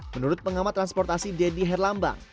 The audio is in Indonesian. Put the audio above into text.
menurut pengamat transportasi deddy herlambang